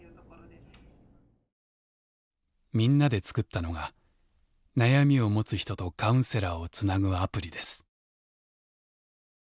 みんなで作ったのが悩みを持つ人とカウンセラーをつなぐアプリです。